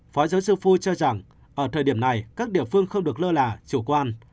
phó châu sư phu cho rằng ở thời điểm này các địa phương không được lơ lạ chủ quan